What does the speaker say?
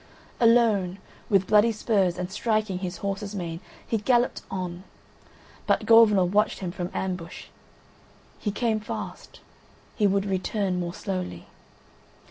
Alone, with bloody spurs, and striking his horse's mane, he galloped on; but Gorvenal watched him from ambush: he came fast, he would return more slowly.